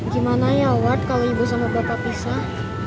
gimana ya war kalau ibu sama bapak pisah